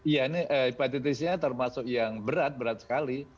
ya ini hepatitisnya termasuk yang berat berat sekali